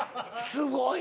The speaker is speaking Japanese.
すごい。